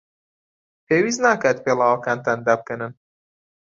پێویست ناکات پێڵاوەکانتان دابکەنن.